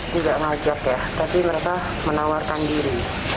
tidak mau ajak ya tapi mereka menawarkan diri